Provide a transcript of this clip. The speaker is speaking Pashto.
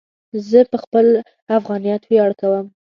زه په خپل افغانیت ویاړ کوم.